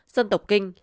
dân tộc kinh